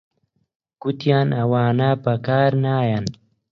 گوتیان ئەوانە بەکار نایەن